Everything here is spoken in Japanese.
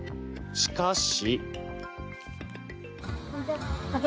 しかし。